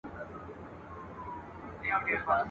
شیخه مستي مي له خُماره سره نه جوړیږي !.